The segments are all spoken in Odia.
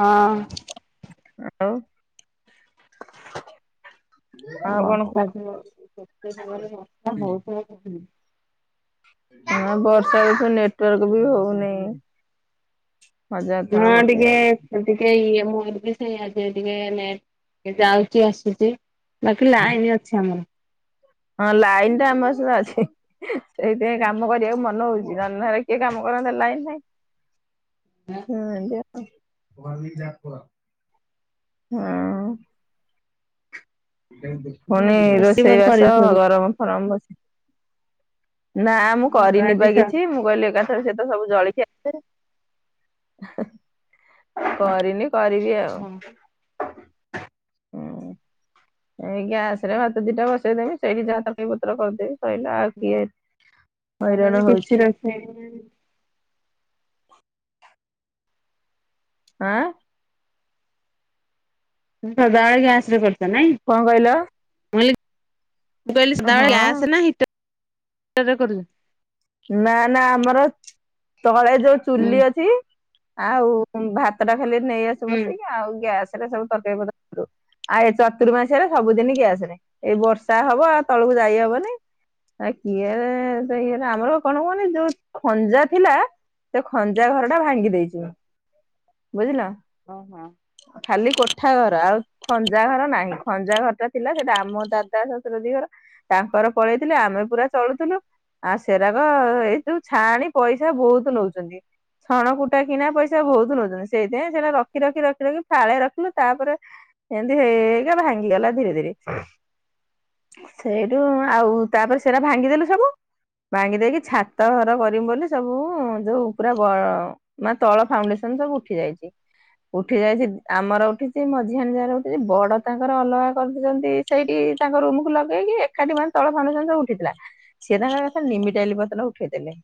ହଁ ଲୋ। ବର୍ଷା [unintelligible] ବର୍ଷା ହଉ ହଁ ବର୍ଷା ହଉଚି ନେଟୱାର୍କ ବି ହଉନି। ହଜାର ଥର ବକେଇ [unintelligible] ଟିକିଏ ଇଏ ମୋର ବି ସେଇ ଆଜି ଟିକିଏ ଯାଉଛି ଆସୁଛି। ବାକି ଲାଇନ ଅଛି ଆମର। ହଁ ଲାଇନ୍ ଟା ଆମର ସ ଅଛି। ସେଇଥିପାଇଁ କାମ କରିବାକୁ ମନ ହଉଛି ଅନ୍ଧାରେ କିଏ କାମ କରନ୍ତ ଲାଇନି ନାଇଁ। ହଁ ହଁ। ପୁଣି ମୁଁ ରୋଷେଇ ବୋଧେ ରୋଷେଇବାସ କରିନଥିବ ଗରମ ଫରମ ବ ନା ମୁଁ କିଛି। ମୋର କରିନି ଆଜି ବା ସ କିଛି ମୁଁ କହିଲି ଏକାଥରେ ସେ ତ ସବୁ ଜଳିକି କରିନି କରିବି ଆଉ। ହଁ ଏଇ ଗ୍ୟାସରେ ଭାତ ଦିଇଟା ବସେଇଦେମି ସେଇଠି ଯାହା ତରକାରି ପତ୍ର କରିଦେବି। ସଇଲା ଆଉ କିଏ ଏତ୍ ହଇରାଣ ହୋଉଛି। ମେଘି ନାନି ଆଁ? ହୁଁ ସାଦାବେଳେ ଗ୍ୟାସରେ କରୁଚ ନାଇଁ? କଣ କହିଲ? ମୁଁ କହିଲି ମୁଁ କହିଲି ସଦାବେଳେ ହଁ। ଗ୍ୟାସେ ନା ହିଟ ହିଟରେ କରୁଚ? ନା ନା ଆମର ତଳେ ଯୋଉ ହୁଁ ଚୁଲି ଅଛି ଆଉ ଭା ତଟା ଖାଲି ନେଇଆସୁ ହୁଁ। ବସେଇକି ଆଉ ଗ୍ୟାସରେ ସବୁ ତରକାରି ପତ୍ର କରୁ। ଆଉ ଏଇ ଚତୁର୍ମାସିଆରେ ସବୁଦିନି ଗ୍ୟାସରେ ଏଇ ବର୍ଷା ହବ ଆଉ ତଳକୁ ଯାଇ ହବନେଇ ଆ କିିଏ ଦହି ନା ଆମର କଣ କୁହନି ଯୋଉ ଖଞ୍ଜା ଥିଲା ସେ ଖଞ୍ଜା ଘରଟା ଭାଙ୍ଗି ଦେଇଚୁଁ। ବୁଝିଲ? ଓହୋ। ଖାଲି କୋଠା ଘର ଆଉ ଖଞ୍ଜା ଘର ନାହିଁ ଖଞ୍ଜା ଘରଟା ଥିଲା ସେଇଟା ଆମ ଦାଦା ଶଶୁର ଦି ଘର ତାଙ୍କର ପଳେଇଥିଲେ ଆମେ ପୁରା ଚଳୁଥୁଲୁ ଆଉ ସେରାକ ଏଇ ଯୋଉ ଛାଆଣି ପଇସା ବୋହୁତୁ ନୋଉଚନ୍ତି। ଛଣ କୁଟା କିଣା ପଇସା ବୋହୁତ ନୋଉଚନ୍ତି ସେଇଥିପାଇଁ ସେରା ରଖି ରଖି ରଖି ରଖି ଫାଳେ ରଖିଲୁ ତାପରେ ଏନ୍ତି ହେଇ ହେଇକା ହଙ୍ଗିଗଲା ଧିରେ ଧିରେ। ସେଇଠୁ ଆଉ ତାପରେ ସେରା ଭାଙ୍ଗିଦେଲୁ ସବୁ। ଭାଙ୍ଗି ଦେଇକି ଛାତ ଘର କରିମୁ ବୋଲି ସବୁ ଯୋଉ ପୁରା ବ ମା ତଳ ଫାଉଣ୍ଡେସନ ସବୁ ଉଠି ଯାଇଚି ଉଠି ଯାଇଚି ଆମର ଉଠିଚି ମଝିଆଣି ଯାଆର ଉ ଯଦି ବଡ ତାଙ୍କର ଅଲଗା କରିଦେଇଚନ୍ତି ସେଇଠି ତାଙ୍କ ରୁମକୁୁ ଲଗେଇକି ଏଖାଟି ମାନେ ତଳ ଭାଉଣ୍ଡେସନ ସବୁ ଉଠିଥିଲା ସିଏ ତାଙ୍କର ଲମିଟାଇଲି ପତ୍ର ଉଠେଇଦେଲେ।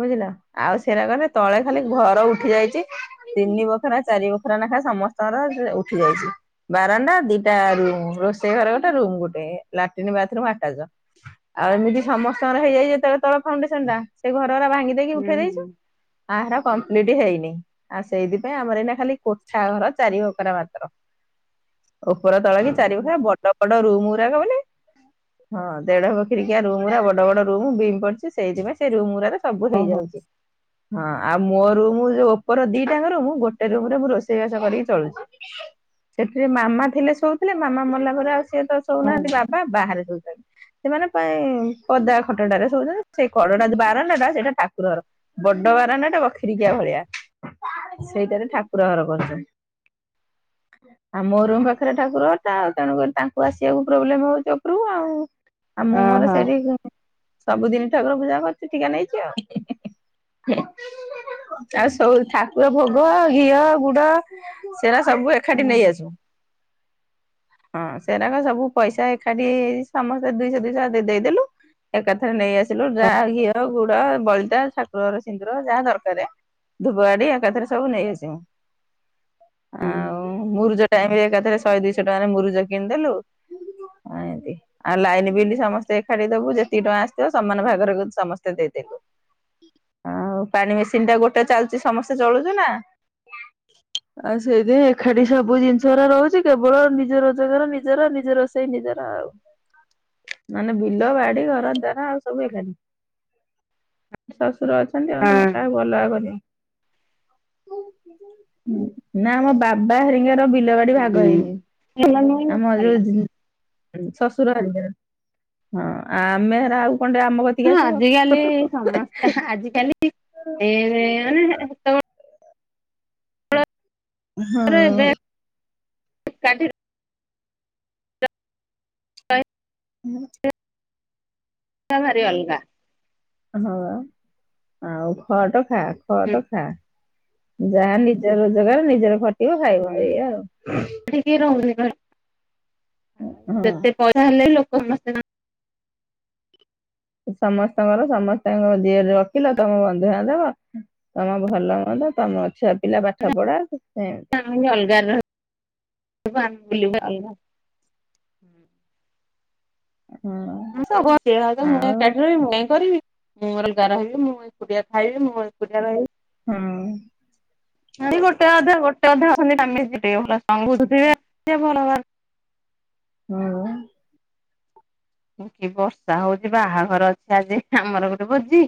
ବୁଝିଲ ଆଉ ସେରାକରେ ତଳେ ଖାଲି ଘର ଉଠି ଯାଇଚି ତିନି ବଖରା ଚାରି ବଖରା ନାଖା ସମସ୍ତଙ୍କର ସେ ଉଠିଯାଇଚି। ବାରଣ୍ଡା ଦିଇଟା ରୁମୁ ରୋଷେଇ ଘରେ ଗୋଟେ ରୁମ୍ ଗୋଟେ ଲାଟିନ୍ ବାଥରୁମ୍ ଆଟାଚ। ଆଉ ଏମିତି ସମସ୍ତଙ୍କର ହେଇଯାଇଚି ଯେତଳେ ତଳ ଫାଉଣ୍ଡେସନଟା ସେ ଘରରା ଭାଙ୍ଗି ଦେଇକି ହୁଁ ଉଠେଇ ହୁଁ ଦେଇଚୁ ଆଉ ହେରା କମ୍ପ୍ଲିଟ ହେଇନି ଆଉ ସେଇଥିପାଇଁ ଆମର ଏଇନା ଖାଲି କୋଠା ଘର ଚାରି ବଖରା ମାତ୍ର। ଓପର ତଳ କି ହୁଁ ଚାରି ବଖରା ବ ବଡ ରୁମୁରାକ ବୋଲି ହଁ ଦେଢ ବଖିରିକିଆ ରୁମୁରା ବ ବଡ ବଡ ରୁମୁ ବିମ୍ ପଡଚି ସେଇଥିପାଇଁ ସେଇ ରୁମ ଗୁରାରେ ସବୁ ଓହୋ ହେଇଯାଉଚି ହଁ। ଆଉ ମୋ ରୁମୁ ଯୋଉ ଓପର ଦିଇଟା ଆଙ୍କ ରୁମୁ ଗୋଟେ ରୁମରେ ମୁଁ ରୋଷେଇବାସ କରିକି ଚଳୁଚି। ସେଥିରେ ମାମା ଥିଲେ ଶୋଉଥୁଲେ ମାମା ମଲା ପରେ ଆଉ ସିଏ ତ ଓହୋ ଶୋଉନାହାନ୍ତି ବାବା ବାହାରେ ଶୋଉଚନ୍ତି ସେମାନେ ପାଇଁ ପଦା ଖଟଟାରେ ଶୋଉଚନ୍ତି ସେଇ କଡଟା ବାରଣ୍ଡାଟା ସେଇଟା ଠାକୁର ଘର। ବଡ ବାରଣ୍ଡାଟା ବଖିରିକିଆ ଭଳିଆ। ସେଇଟାରେ ଠାକୁର ଘର କରୁଚନ୍ତି। ଆଉ ମୋ ରୁମ୍ ପାଖରେ ଠାକୁର ଘରଟା ତେଣୁକରି ତାଙ୍କୁ ଆସିବାକୁ ପ୍ରୋବ୍ଲେମ ହୋଉଚି ଓପରକୁ ଆଉ। ଆଉ ମୁଁ ମୋର ଓହୋ ସେଠି ସବୁଦିନ ଠାକୁର ପୂଜା କରଚୁ ଟିକା ନେଇଚୁ ଆଉ। ଆଉ ସବୁ ଠାକୁର ଭୋଗ ଘିଅ, ଗୁଡ ସେଟା ସବୁ ଏକାଠି ନେଇ ଓହୋ ଆସ। ହଁ ସେଟାକ ସବୁ ପଇସା ଏକାଠି ସମସ୍ତେ ଦୁଇଶହ ଦୁଇଶହ ଦେ ଦେଇଦେଲୁ ଏକାଥରେ ନେଇ ଆସିଲୁ ଯାହା ଓହୋ ଘିଅ ଗୁ ବଳିତା ଠାକୁରର ସିନ୍ଦୁର ଯାହା ଦରକାର ଧୁବ ଆଡି ଏକାଥରେ ସବୁ ନେଇ ଆସିବୁ। ହୁଁ। ଆଉ ମୁରୁଜ ଟାଇମ ରେ ଏକାଥରେ ଶହେ ଦୁଇଶହ ଟଙ୍କାରେ ମୁରୁଜ କିଣିଦେଲୁ ଏମତି ଆଉ ଲାଇନ ବିଲ ସମସ୍ତେ ଏକାଠି ଦବୁ ଯେ ତିକି ଟଙ୍କା ଆସିଥିବ ସମାନ ଭାଗରେ ସମସ୍ତେ ଦେଇଦେଲୁ। ଆଉ ପାଣି ମେସିନ ଟା ଗୋଟେ ଚାଲୁଛି ସମସ୍ତେ ଚଳୁଛୁ ନା ଆଉ ସେଇଯେ ଏକାଠି ସବୁ ଜିନିଷରା ରହୁଛି କେବଳ ନିଜ ରୋଜଗାର ନିଜର ନିଜ ରୋଷେଇ ନିଜର ଆଉ। ମାନେ ବିଲ ବାଡି ଘର ଦ୍ଵାର ଆଉ ସବୁ ଏକାଠି। ଶ୍ୱଶୁର ଅଛନ୍ତି ଆଉ ତ ହଁ। କାହାକୁ ଅଲଗା କରି ନା ଆମ ବାବା ହରିଙ୍କର ବି ଲବାଡି ହୁଁ ଭାଗ ହେଇନି। ଭଲ ନୁହେଁ ଆମର ଭଲ ଯୋଉ ଶ୍ୱଶୁର ହରିକା ହଁ ଆମେ ଆଉ କଣ ଆମ କତିକି ହ ଆସିବ। ଆଜିକାଲି ସମସ୍ୟା ଆଜିକାଲି ଏ ମାନେ ସେତେବେ ହଁ। [unintelligible] ଏକାଠି ରହିବା ହ [unintelligible] ଭାରି ଅଲଗା। ହଁ ଆଉ ଖଟ୍ ଖା ହୁଁ। ଖଟ୍ ଖା। ଯାହା ନିଜ ରୋଜଗାର ନିଜର ଖଟିବ ଖାଇବ ଏୟା ଆଉ। କି ରହୁନି ଆଉ ଯେତେ ପଇସା ହେଲେ ଲୋକ ସମସ୍ତେ ସମସ୍ତଙ୍କର ସମସ୍ତଙ୍କ ଯିଏ ଏ ରଖିଲ ତମ ବନ୍ଧୁ ବାନ୍ଧବ ତମ ଭଲ ମନ୍ଦ ତମ ଛୁଆ ପିଲା ପାଠ ପଢା ସେ ଅଲଗା [unintelligible] ଅଲଗା ହଁ [unintelligible] କାଠି ରହ ମୁଁ ଆଉ କାଇହିଁ କରିବି ମୁଁ ମୋର ଗାଁ ରହିବି ମୁଁ ଏ କଡିଆ ଖାଇବି ମୁଁ ଏ କଡିଆ ରହିବି ହୁଁ। ଗୋଟେ ଅଧା ଗୋଟେ ଅଧା ଅଛନ୍ତି ଟିକେ [unintelligible] ହୁଁ। କି ବର୍ଷା ହଉଛି ବାହାଘର ଅଛି ଆଜି ଆମର ଗୋଟେ ଭୋଜି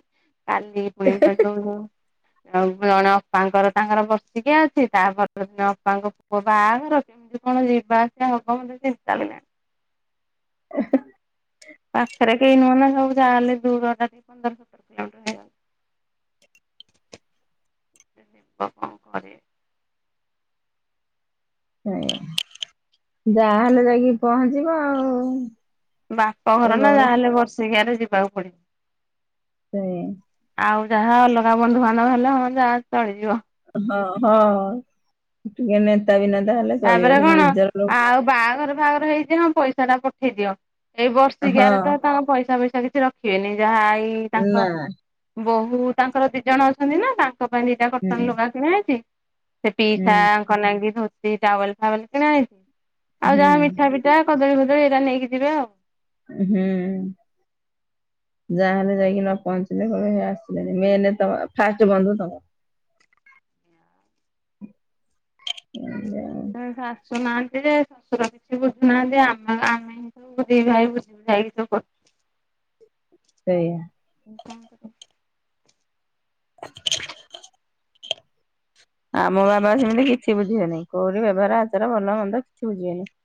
କାଲି [unintelligible] ଆଉ ଜଣେ ଅପାଙ୍କର ତାଙ୍କର ବର୍ଷିକିଆ ଅଛି ତାପ ଦିନ ଅପାଙ୍କ ପୁଅ ବାହାଘର। ତୁ କଣ ଯିବା ଆସିବା ହବ ମୋତେ ଚିନ୍ତା ଲାଗିଲା। ପାଖରେ କେହି ନୁହଁ ନା ସବୁ ଯାହାଲେ ଦୂର ଟା ପନ୍ଦର ସତର କିଲୋମିଟର ହେବ। [unintelligible] ଆଜ୍ଞା ଯାହାହେଲେ ଯାଇକି ପହଞ୍ଚିବ ଆଉ। ସେ ବାପଘର ନା ବର ଯାହାହେଲେ ବର୍ଷିକିଆରେ ଯିବାକୁ ପଡିବ। ହୁଁ। ଆଉ ଯାହା ଅଲଗା ବନ୍ଧୁବାନ୍ଧ ହେଲେ ହ ଯାହା ଚଳିଯିବ। ହଁ ହଁ ଟିକେ ନେତା ବିନେତା ହେଲେ ତାପରେ ଚଳିବ କିନ୍ତୁ କଣ ନିଜର ଲୋ ଆଉ ବାହାଘର ଫାହାଘର ହେଇ ଯେ ମୋ ପଇସା ଟା ପଠେଇ ଦିଅ ଏଇ ହଁ ବର୍ଷିକିଆରେ ତ ତାଙ୍କ ପଇସା ଫଇସା କିଛି ରଖିବେନି ଯାହା ଏଇ ତାଙ୍କ ନା ବୋହୂ ତାଙ୍କର ଦି ଜଣ ଅଛନ୍ତି ନା ତାଙ୍କ ପାଇଁ ଦିଟା ହୁଁ କଟନ୍ ଲୁଗା କିଣା ହେଇଚି। ସେଟି ହୁଁ ସାରଙ୍କ ନାଗି ଧେତି ଟାୱଲେ୍ ଫାୱଲେ୍ କିଣା ହେଇଚି ଆଉ ଯାହା ହୁଁ ମିଠାପି ଯାହା କଦଳୀ ଫଦଳୀ ଏଇରା ନେଇକି ଯିବେ ଆଉ। ହୁଁ। ଯାହାହଲେ ଯାଇକି ନ ପହଞ୍ଚିଲେ କହିବେ ହେଇ ଆସିଲେନି ମେନେ ଫାଷ୍ଟ ବନ୍ଧୁ ତମେ। ସେ ଆଶୁ ନାହାନ୍ତି ଯେ ଶ୍ୱଶୁର କିଛି ବୁଝୁନାହାନ୍ତି ଆମ ଆମେ ଦିଭାଇ ବୁଝି ବୁଝା କି ସବୁ କରୁ। ସେଇଆ। କଣ କର? ଆମ ବାବା ସେମିତି କିଛି ବୁଝିବେନେହିଁ କୋଉଠି ବେଭର ଆଚାର ଭଲ ମନ୍ଦ କିଛି ବୁଝିବେନେହିଁ।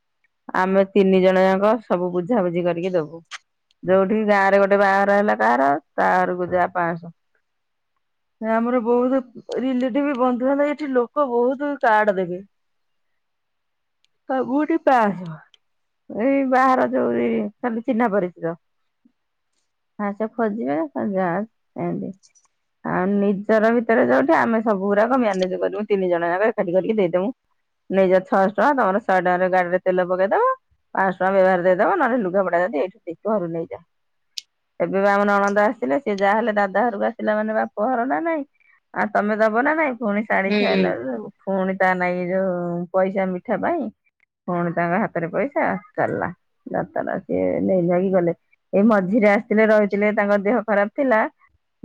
ଆମେ ତିନି ଜଣ ଯାକ ସବୁ ବୁଝାବୁଝି କରିକି ଦବୁ। ଯୋଉଠି ଗାଁ ରେ ଗୋଟେ ବାହାଘର ହେଲା କାହାର ତା ଘରକୁ ଯା ପାଆଁସ। ଆମର ବହୁତ ରିଲେଟିବି ବନ୍ଧୁ। ମାନେ ଏଇଠି ଲୋକ ବହୁତ କାର୍ଡ ଦେବେ। ସବୁଟି ପାରହେବ। ଏଇ ବାହାର ଯୋଉ ଏଇ ଖାଲି ଚିହ୍ନା ପରିଚିତ। ଫାଷ୍ଟେ ଖୋଜିବେ ସନ୍ଧ୍ୟା ବୋଳୁକୁ ଏମିତି। ଆଉ ନିଜର ଭିତରେ ଯୋଉଠି ଆମେ ସବୁ ଗୁରାକ ମ୍ୟା ନିଜେ କରିମୁ ତିନି ଜଣଆଙ୍କ ଏକାଠି କରିକି ଦେଇଦମୁ। ନେଇଯ ଛଅଶହ ଟଙ୍କା ତମର ଶହେ ଟଙ୍କାରେ ଗାଡିରେ ତେଲ ପକେଇଦବ। ପାଆସଟଙ୍କା ବ୍ୟବହାର ଦେଇଦବ ନହେଲେ ଲୁଗା ପଟା ଏଇଠି ଘରୁ ନେଇଯାଆ। ଏବେ ଆମ ନଣନ୍ଦ ଆସିଥିଲେ ସେ ଯାହା ହେଲେ ଦାଦା ଘରକୁ ଆସିଲା ମାନେ ବାପ ଘର ନା ନାଇଁ। ଆ ତମେ ଦବ ନା ନାଇଁ ପୁଣି ଶାଢୀ ଛାୟା ବ୍ଲାଉଜୁ ହୁଁ ସଵୁ। ପୁଣି ତା ନାଗି ଯୋଉ ପଇସା ମିଠା ପାଇଁ। ପୁଣି ତାଙ୍କ ହାତରେ ପଇସା ଚାଲିଲା ଯାତରା ସିଏ ନେଇ ନୁଆକି ଗଲେ। ଏଇ ମଝିରେ ଆସିଥିଲେ ରହିଥିଲେ ତାଙ୍କ ଦିହ ଖରାପେ ଥିଲା।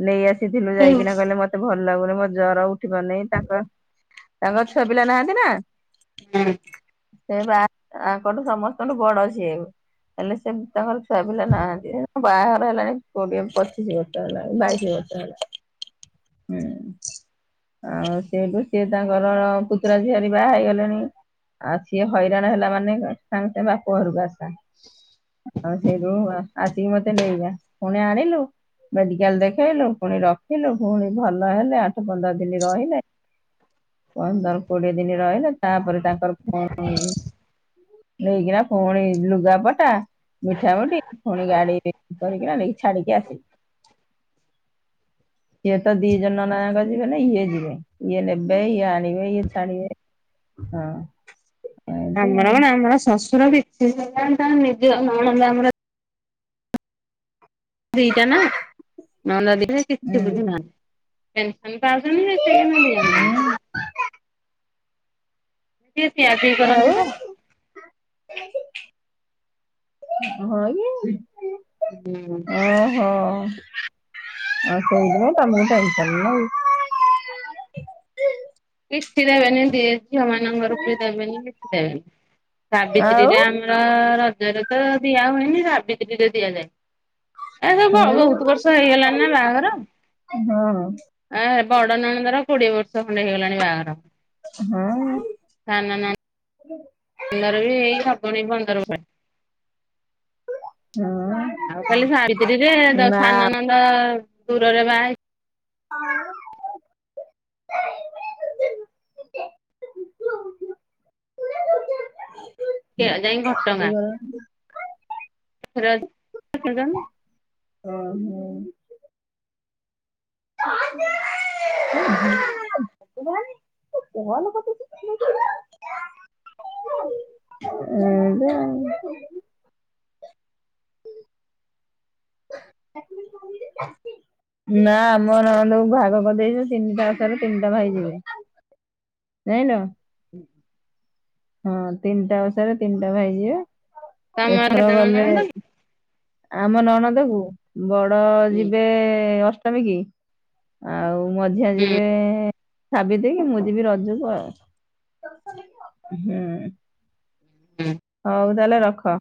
ନେଇ ଆସିଥିନୁ ଯାଇକିନା କହିଲେ ମତେ ଭଲ ଲାଗୁନେହିଁ ମତେ ଜର। ଗନେ ତାଙ୍କ ତାଙ୍କ ଛୁଆ ପିଲା ନାହାନ୍ତି ନା। ହୁଁ। ସେ ପା ଆଙ୍କଠୁ ସମସ୍ତଙ୍କଠୁ ବଡ ସିଏ। ହେଲେ ସେ ତାଙ୍କର ଛୁଆ ପିଲା ନାହାନ୍ତି ବାହାଘର ହେଲାଣି କୋଡିଏ ପଚିଶି ବର୍ଷ। ତାକୁଯାଣି ବାଇଶି ବର୍ଷ ହେଲାଣି। ହୁଁ। ଆଉ ସେଠୁ ସିଏ ତାଙ୍କର ପୁତୁରା ଝିଆରି ବାହା ହେଇଗଲେଣି। ଆଉ ସିଏ ହଇରାଣ ହେଲା ମାନେ ସାଙ୍ଗ ସାଙ୍ଗେ ବାପ ଘରକୁ ଆସା। ଆଉ ସେଠୁ ବପା ଆସିକି ମତେ ନେଇଯା ପୁଣି ଆଣିଲୁ। ମେଡିକାଲ ଦେଖେଇଲୁ ପୁଣି ରଖିଲୁ ପୁଣି ଭଲ ହେଲେ ଆଠ ପନ୍ଦର ଦିନି ରହିଲେ। ପନ୍ଦର କୋଡିଏ ଦିନ ରହିଲେ ତାପରେ ତାଙ୍କର ପୁଣି ନେଇକିନା ଫୁଣି ଲୁଗାପଟା ମିଠା ମୁଠି ଫୁଣି ଗାଡି କରିକି ଆଣିକି ଛାଡିକି ଆସିଲି। ସିଏ ତ ଦି ଜଣ। [unintelligible] ନା ଇଏ ଯିବେ ଇଏ ନେବେ ଇଏ ଆଣିବେ ଇଏ ଛାଡିବେ ହଁ। ଏମିତି ଆମର ଆଉ। କଣ ଆମର ଶଶୁର ବି [unintelligible] ନଣନ୍ଦ ଆମର ଦିଇଟା ନା, ନଣନ୍ଦ ଦି ଟା କିଛି ହୁଁ ବୁଝୁ ନାହାଁନ୍ତି। ପେନସନ୍ ପାଉଛନ୍ତି ଯେ ସେ କିନ୍ତୁ ହୁଁ ଦିଅନ୍ତିନି। ଟିକେ ପିଆ ପିଇ ଆଉ କରନ୍ତି ତ। ହଁ କି। ଉ ଗୁଁ ଓହୋ। ଆଉ ସେଥିପାଇଁ ତମକୁ ଟେନସନ୍ ନାଇଁ। କିଛି ଦେବେନି, ଦି ଝିଅ ମାନଙ୍କ ଘର କୁ ବି ଦେବେନି କିଛି ଦେବେନି। ଆଉ ସାବିତ୍ରୀରେ ଆ ର ରଜରେ ତ ଦିଆ ହୁଏନି, ସାବିତ୍ରୀରେ ଦିଆଯାଏ। ଏରା ସବୁ ହଁ ବହୁତ ବର୍ଷ ହେଇଗଲାଣିି ନା ହଁ ବାହାଘର। ହଁ ଆ ବଡ ନଣନ୍ଦର କୋଡିଏ ବର୍ଷ ଖଣ୍ଡେ ହେଇଗଲାଣି ବାହାଘର। ହଁ। ସାନ ନଣ ନ୍ଦର ବି ହବଣି ପନ୍ଦର [unintelligible] ହଁ ଆଉ ଖାଲି ସାବିତ୍ରୀରେ ତ ନା ସାନନଣନ୍ଦ ଦୂରରେ ବାହା ହେଇ [inaudible] ଯାଇଁକି ଘଟଗାଁ। [unintelligible] [unintelligible] [unintelligible] [unintelligible] ତୁ କଲ୍ କରିଦଉଚୁ [unintelligible] [unintelligible] [unintelligible] ନା ଆମ ନଣନ୍ଦଙ୍କୁ ବାହାଘର କରିଦେଇଚୁ ତିନିଟା ଓଷାରେ ତିନିଟା ଭାଇ ଯିବେ। ଯାଇଁଲ। [inaudible] ହଁ ତିନିଟା ଓଷା ରେ ତିନିଟା ଭାଇ ଯିବେ। ତମର କେତେ ଏଥର ଜଣ ଗଲେ ନଣନ୍ଦ ଆମ ନଣନ୍ଦକୁ ବଡ କି? ଯିବେ ଅଷ୍ଟମୀ କି। ଆଉ ମଝିଆ ହୁଁ ଯିବେ ସାବିତ୍ରୀ କି। ମୁଁ ଯିବି ରଜକୁ ଆଉ। ହୁଁ। ହୁଁ ହଉ ତାହେଲେ ରଖ।